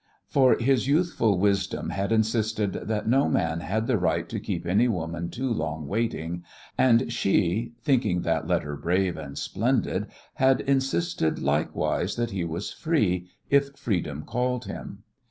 For his youthful wisdom had insisted that no "man" had the right to keep "any woman" too long waiting; and she, thinking that letter brave and splendid, had insisted likewise that he was free if freedom called him.